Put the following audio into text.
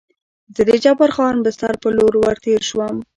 زه د جبار خان بستر په لور ور تېر شوم.